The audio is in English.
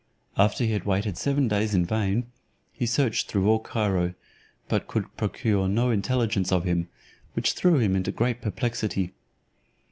After he had waited seven days in vain, he searched through all Cairo, but could procure no intelligence of him, which threw him into great perplexity.